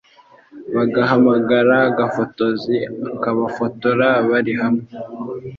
bagahamagara gafotozi akabafotora barihamwe